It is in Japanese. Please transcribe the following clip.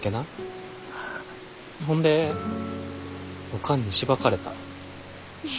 ほんでおかんにしばかれた。